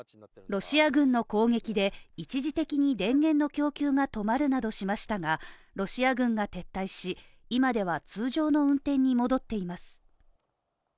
ロシア軍の攻撃で、一時的に電源の供給が止まるなどしましたがロシア軍が撤退し、今では通常の運転に戻っています。